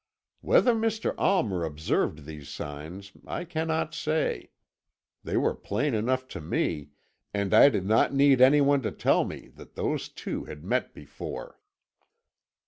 "Whether Mr. Almer observed these signs I cannot say; they were plain enough to me, and I did not need anyone to tell me that those two had met before.